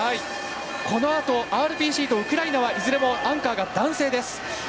このあとＲＰＣとウクライナはいずれもアンカーが男性です。